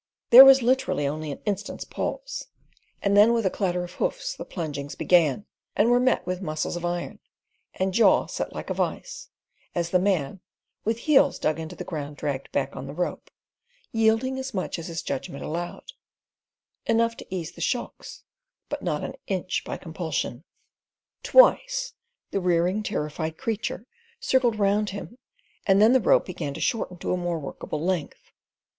There was literally only an instant's pause, and then with a clatter of hoofs the plungings began, and were met with muscles of iron, and jaw set like a vice, as the man, with heels dug into the ground dragged back on the rope, yielding as much as his judgment allowed—enough to ease the shocks, but not an inch by compulsion. Twice the rearing, terrified creature circled round him and then the rope began to shorten to a more workable length.